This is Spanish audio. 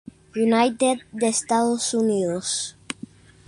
United de Estados Unidos.